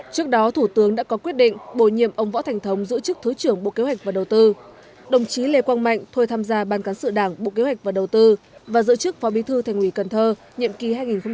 trước đó thủ tướng đã có quyết định bổ nhiệm ông võ thành thống giữ chức thứ trưởng bộ kế hoạch và đầu tư đồng chí lê quang mạnh thôi tham gia ban cán sự đảng bộ kế hoạch và đầu tư và giữ chức phó bí thư thành ủy cần thơ nhiệm kỳ hai nghìn một mươi sáu hai nghìn một mươi sáu